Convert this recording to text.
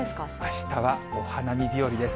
あしたはお花見日和です。